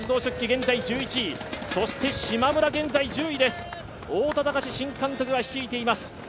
現在１１位、そしてしまむら１０位です太田崇新監督が率いています。